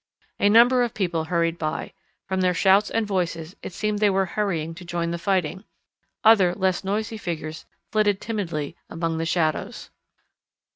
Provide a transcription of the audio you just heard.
A number of people hurried by. From their shouts and voices, it seemed they were hurrying to join the fighting. Other less noisy figures flitted timidly among the shadows.